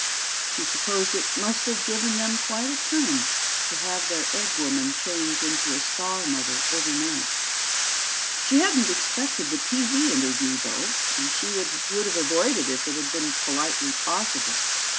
She supposed it must have given them quite a turn to have their egg woman change into a star mother overnight. She hadn't expected the TV interview, though, and she would have avoided it if it had been politely possible.